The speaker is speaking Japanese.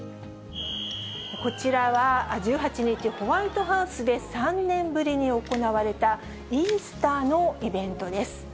こちらは１８日、ホワイトハウスで３年ぶりに行われた、イースターのイベントです。